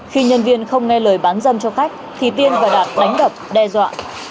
khi nhân viên không nghe lời bán dâm cho khách thì tiên và đạt đánh đập đe dọa